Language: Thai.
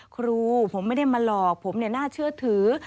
ครูผมไม่ได้มาหลอกผมน่าเชื่อถือ